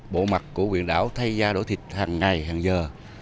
bộ mặt của quyền đảo thay ra đổi thịt hàng ngày hàng giờ